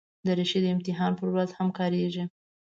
دریشي د امتحان پر ورځ هم کارېږي.